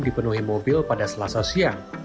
dipenuhi mobil pada selasa siang